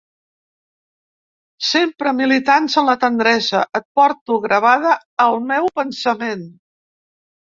Sempre militants en la tendresa, et porto gravada al meu pensament.